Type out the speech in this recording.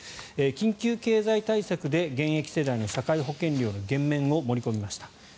緊急経済対策で現役世代の社会保険料の減免を盛り込みました。